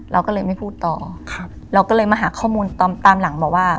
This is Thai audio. เราก็เลยไม่พูดต่อครับเราก็เลยมาหาข้อมูลตอนตามตามหลังบอกว่า